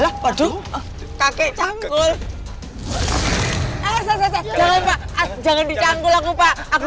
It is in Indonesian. kakek canggul jangan jangan dijangkul aku pak aku